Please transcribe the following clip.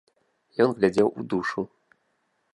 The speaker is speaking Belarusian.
Ён глядзеў у душу!